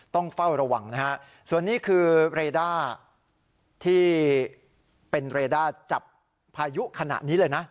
ต้องเฝ้าระวังนะฮะส่วนนี้คือเรด้าที่เป็นเรด้าจับพายุขณะนี้เลยนะ